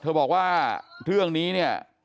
บอกว่าเรื่องนี้เนี่ย